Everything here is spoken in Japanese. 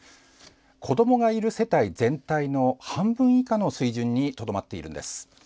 子どもがいる世帯全体の半分以下の水準にとどまっているんです。